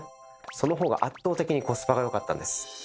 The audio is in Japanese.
そのほうが圧倒的にコスパがよかったんです。